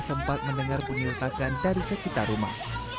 sempat mendengar bunyi letakan dari sekitar rumah